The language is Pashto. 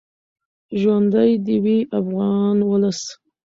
ژوندی دې وي افغان ولس.